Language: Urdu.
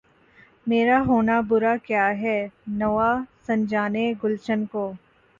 میرا ہونا برا کیا ہے‘ نوا سنجانِ گلشن کو!